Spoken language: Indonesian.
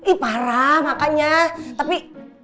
ih parah makanya tapi